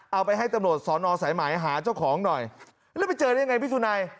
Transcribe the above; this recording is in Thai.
เอาไปให้ตำรวจสอนอสายไหมหาเจ้าของหน่อยแล้วไปเจอได้ยังไงพี่สุนัย